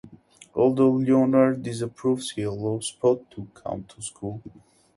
Although Leonard disapproves, he allows Spot to come to school.